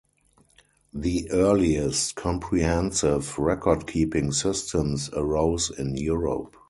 The earliest comprehensive recordkeeping systems arose in Europe.